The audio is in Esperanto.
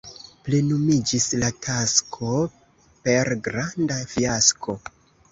Plenumiĝis la tasko per granda fiasko.